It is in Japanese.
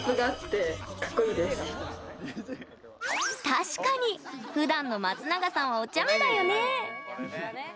確かに、ふだんの松永さんはおちゃめだよね。